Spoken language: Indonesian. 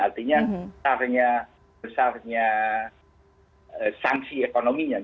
artinya besarnya sanksi ekonominya